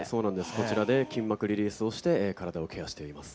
こちらで筋膜リリースをして体をケアしています。